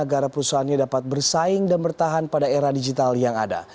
agar perusahaannya dapat bersaing dan bertahan pada era digital yang ada